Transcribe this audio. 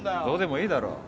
どうでもいいだろ。